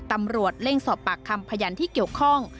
ตำรวจเร่งสอบปากคำพยานที่เกี่ยวข้อง